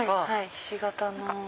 ひし形の。